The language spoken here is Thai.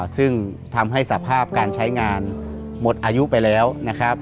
ซึ่งทำให้สภาพการใช้งานหมดอายุไปแล้วนะครับ